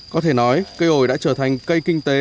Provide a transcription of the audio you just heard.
có thể nói cây ồi đã trở thành cây kinh tế